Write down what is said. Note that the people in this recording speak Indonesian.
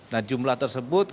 nah jumlah tersebut